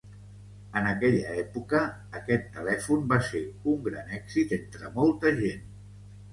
En aquella època, aquest telèfon va ser un gran èxit entre molta gent.